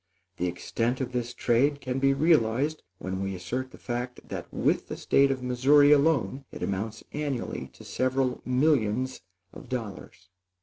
The extent of this trade can be realized when we assert the fact that with the State of Missouri alone it amounts annually to several millions of dollars.